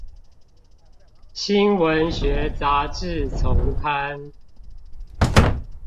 新文學雜誌叢刊